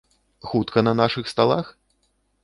Хутка на нашых сталах?